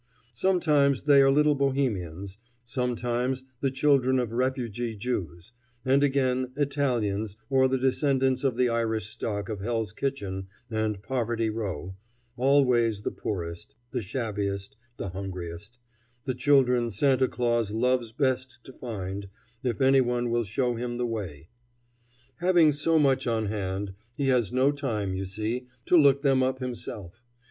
Sometimes they are little Bohemians; sometimes the children of refugee Jews; and again, Italians, or the descendants of the Irish stock of Hell's Kitchen and Poverty Row; always the poorest, the shabbiest, the hungriest the children Santa Claus loves best to find, if any one will show him the way. Having so much on hand, he has no time, you see, to look them up himself.